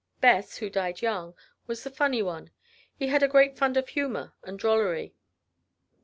Bess, who died young, was the funny one. He had a great fund of humor and drollery.